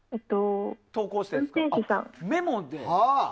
メモで？